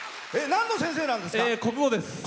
なんの先生なんですか？